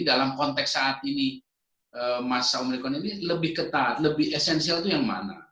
dalam konteks saat ini masa omnibus ini lebih ketat lebih esensial itu yang mana